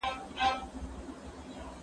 د کتابتون د کار مرسته وکړه!!